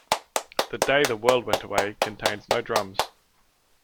"The Day the World Went Away" contains no drums.